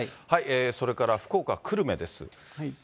それから福岡・久留米です。